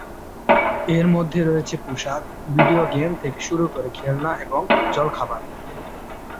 এর মধ্যে রয়েছে পোশাক, ভিডিও গেমস থেকে শুরু করে খেলনা এবং জলখাবার।